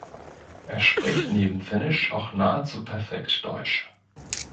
Er spricht neben Finnisch auch nahezu perfekt Deutsch.